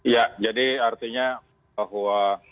ya jadi artinya bahwa